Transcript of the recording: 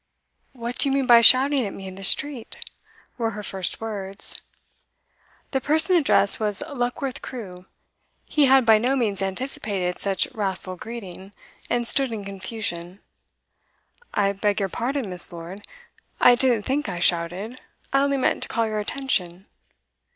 'What do you mean by shouting at me in the street?' were her first words. The person addressed was Luckworth Crewe; he had by no means anticipated such wrathful greeting, and stood in confusion. 'I beg your pardon, Miss. Lord. I didn't think I shouted. I only meant to call your attention.